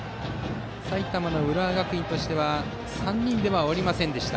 埼玉の浦和学院としては３人では終わりませんでした。